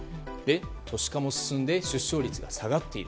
都市化も進んで出生率が下がっている。